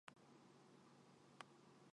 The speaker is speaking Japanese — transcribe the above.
群馬県玉村町